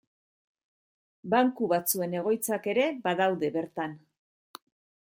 Banku batzuen egoitzak ere badaude bertan.